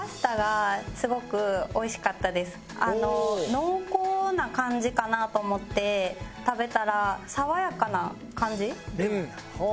濃厚な感じかなと思って食べたら爽やかな感じ。